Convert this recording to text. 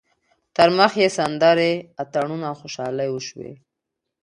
تر مخ یې سندرې، اتڼونه او خوشحالۍ وشوې.